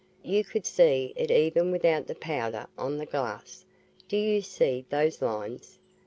You could see it even without the powder on this glass. Do you see those lines?